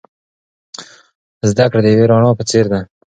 زده کړه د یوې رڼا په څیر ده.